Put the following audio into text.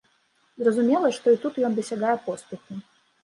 Зразумела, што і тут ён дасягае поспеху.